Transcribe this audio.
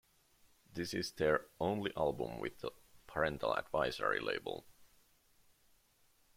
This is their only album with a "Parental Advisory" label.